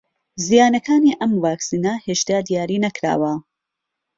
زیانەکانی ئەم ڤاکسینە هێشتا دیاری نەکراوە